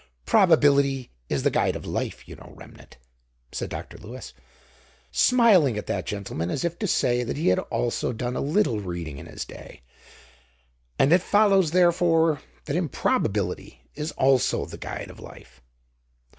Probability is the guide of life, you know, Remnant," said Dr. Lewis, smiling at that gentleman, as if to say that he also had done a little reading in his day. "And it follows, therefore, that improbability is also the guide of life.